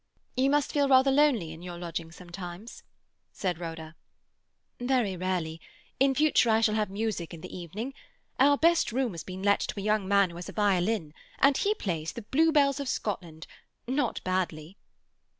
"You must feel rather lonely in your lodgings sometimes?" said Rhoda. "Very rarely. In future I shall have music in the evening. Our best room has been let to a young man who has a violin, and he plays "The Blue Bells of Scotland"—not badly."